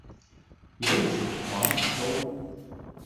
有子黄以周。